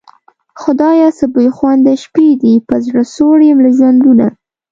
خدایه څه بېخونده شپې دي په زړه سوړ یم له ژوندونه